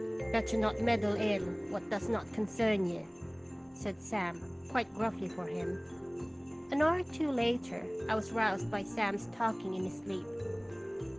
'' Better not meddle in what does not con cern you," said Sam, quite gruffly for him. An hour or two later, I was roused by Sam's talking in his sleep.